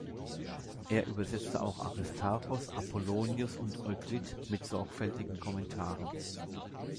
Er übersetzte auch Aristarchos, Apollonius und Euklid, mit sorgfältigen Kommentaren.